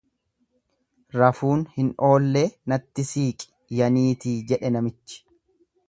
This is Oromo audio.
Rafuun hin oollee natti siiqi ya niitii jedhe namichi.